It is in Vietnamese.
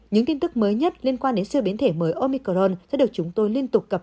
những tin tức mới nhất liên quan đến siêu biến thể mới omicron sẽ được chúng tôi liên tục cập